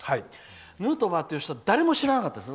ヌートバーという人は誰も知らなかったです。